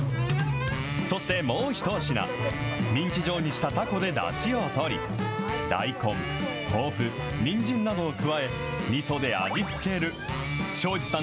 そしてもう一品、ミンチ状にしたタコでだしをとり、大根、豆腐、にんじんなどを加え、みそで味付ける、庄司さん